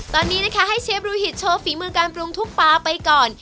ตอนนี้นะคะให้เชฟรูหิตโชว์ฝีมือการปรุงทุกปลาไปก่อน